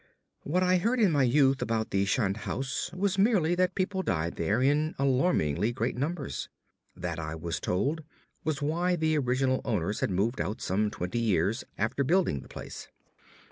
What I heard in my youth about the shunned house was merely that people died there in alarmingly great numbers. That, I was told, was why the original owners had moved out some twenty years after building the place.